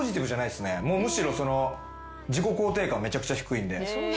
むしろ自己肯定感めちゃくちゃ低いんで。